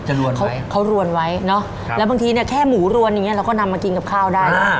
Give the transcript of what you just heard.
เขารวนไว้เนอะแล้วบางทีเนี่ยแค่หมูรวนอย่างเงี้เราก็นำมากินกับข้าวได้